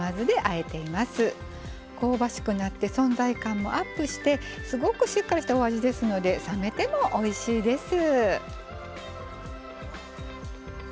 香ばしくなって存在感もアップしてすごくしっかりしたお味ですので冷めてもおいしいです。